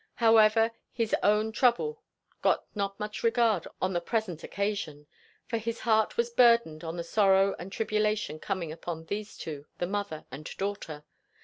However, his own trouble got not much regard on the present occasion; for his heart was burdened with the sorrow and the tribulation coming upon these two, the mother and daughter.